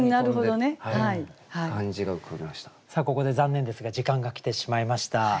ここで残念ですが時間が来てしまいました。